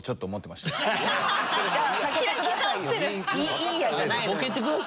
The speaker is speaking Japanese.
「いいや」じゃないのよ。